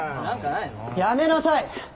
やめなさい！